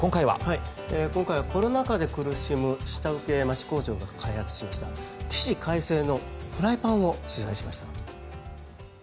今回はコロナ禍で苦しむ下請け町工場が開発しました起死回生のフライパンを取材しました。